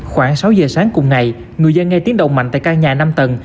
khoảng sáu giờ sáng cùng ngày người dân nghe tiếng động mạnh tại căn nhà năm tầng